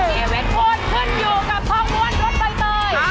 นี่เป็นพวงขึ้นอยู่กับท้องรวดรถใบเตย